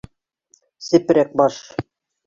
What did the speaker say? Сепрәк баш...